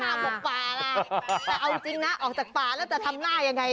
แต่เอาจริงนะออกจากป่าแล้วจะทำหน้ายังไง